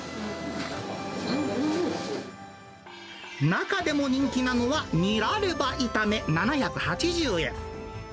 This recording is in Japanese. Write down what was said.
中でも人気なのは、ニラレバいため７８０円。